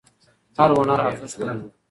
هر هنر ارزښت لري.